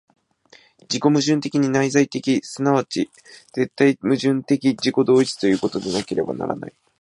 自己矛盾的に内在的、即ち絶対矛盾的自己同一ということでなければならない。